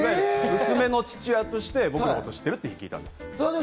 娘の父親として僕のこと知ってるって聞いたんです。